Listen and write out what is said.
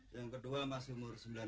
yang kedua masih umur sembilan belas